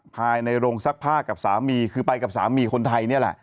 ภายในโรงซักพ่ากับสามีคือไปกับสามีคนไทย